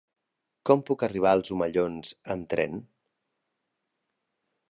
Com puc arribar als Omellons amb tren?